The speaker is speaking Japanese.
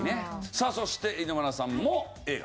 さあそして稲村さんも映画。